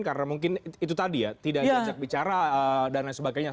karena mungkin itu tadi ya tidak diajak bicara dan lain sebagainya